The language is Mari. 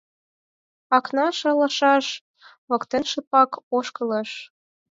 Акнаш алашаж воктен шыпак ошкылеш.